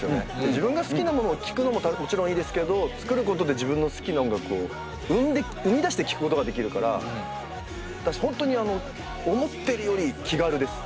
自分が好きなものを聴くのももちろんいいですけど作ることで自分の好きな音楽を生み出して聴くことができるから本当に思ってるより気軽です。